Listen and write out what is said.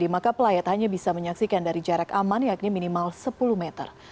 maka pelayat hanya bisa menyaksikan dari jarak aman yakni minimal sepuluh meter